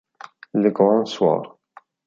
Le grand soir